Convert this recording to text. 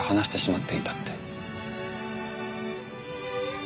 って。